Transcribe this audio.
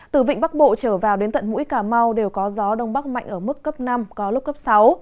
từ vịnh bắc bộ trở vào đến tận mũi cà mau đều có gió đông bắc mạnh ở mức cấp năm có lúc cấp sáu